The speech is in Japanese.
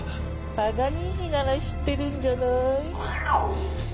パガニーニなら知ってるんじゃない？